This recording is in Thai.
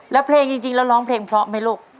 แล้วเพลงจริงแล้วร้องเพลงเพราะไหมลูก